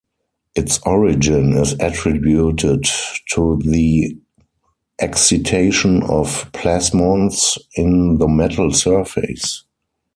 Its origin is attributed to the excitation of plasmons in the metal surface.